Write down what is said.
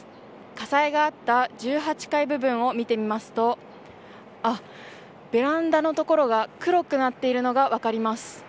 火災があった１８階部分を見てみますとベランダの所が黒くなっているのが分かります。